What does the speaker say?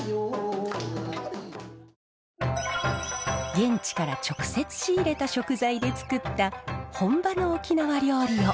現地から直接仕入れた食材で作った本場の沖縄料理をいただきます。